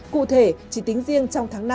cụ thể chỉ tính riêng trong tháng năm